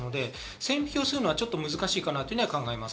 線引きをするのは難しいかなと考えます。